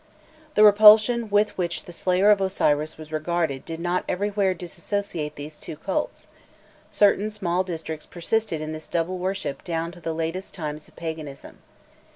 The repulsion with which the slayer of Osiris was regarded did not everywhere dissociate these two cults: certain small districts persisted in this double worship down to the latest times of paganism.